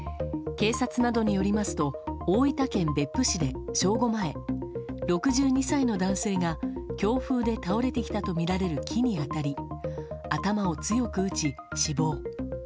警察などによりますと大分県別府市で正午前６２歳の男性が強風で倒れてきたとみられる気に当たり頭を強く打ち、死亡。